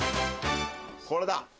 これだ！